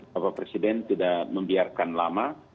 bapak presiden tidak membiarkan lama